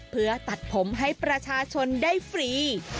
เพื่อตัดผมให้ประชาชนได้ฟรี